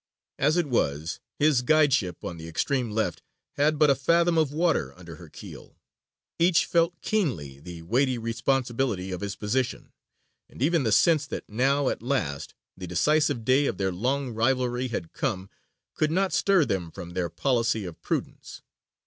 As it was, his guideship on the extreme left had but a fathom of water under her keel. Each felt keenly the weighty responsibility of his position, and even the sense that now at last the decisive day of their long rivalry had come could not stir them from their policy of prudence.